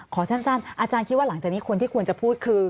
ขอสั้นอาจารย์คิดว่าหลังจากนี้คนที่ควรจะพูดคือ